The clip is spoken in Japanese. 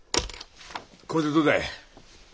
これでどうだい？